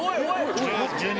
１２！